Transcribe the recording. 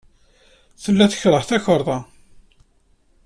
Tella tekṛeh takriḍt.